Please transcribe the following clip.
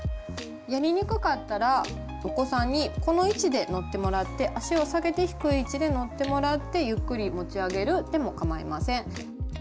やりにくかったらお子さんにこの位置で乗ってもらって脚を下げて低い位置で乗ってもらってゆっくり持ち上げるでも構いません。